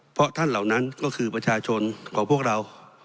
เพราะท่านเหล่านั้นก็คือประชาชนของพวกเรา